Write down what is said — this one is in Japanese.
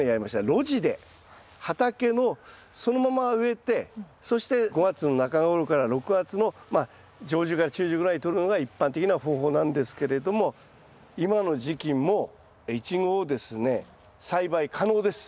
露地で畑のそのまま植えてそして５月の中ごろから６月のまあ上旬から中旬ぐらいにとるのが一般的な方法なんですけれども今の時期もイチゴをですね栽培可能です。